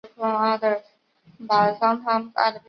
加提奈地区巴尔维勒人口变化图示